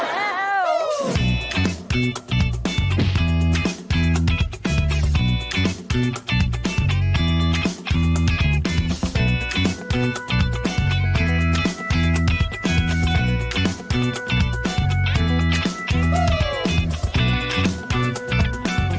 ให้เย็น